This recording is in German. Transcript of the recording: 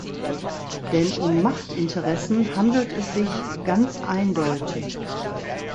Denn um Machtinteressen handelt es sich ganz eindeutig.